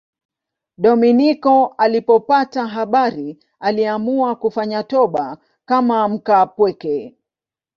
Dominiko alipopata habari aliamua kufanya toba kama mkaapweke.